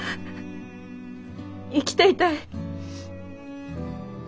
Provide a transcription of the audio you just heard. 生きていたい。